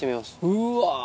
うわ！